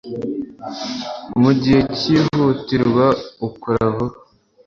Mugihe cyihutirwa, ukora vuba?